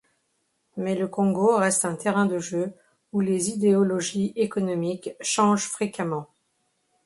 Mais le Congo reste un terrain de jeu où les idéologies économiques changent fréquemment.